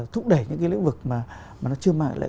thúc đẩy những cái lĩnh vực mà nó chưa mang lại